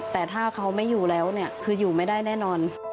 แต่ถ้าเขาไม่อยู่แล้วเนี่ยคืออยู่ไม่ได้แน่นอน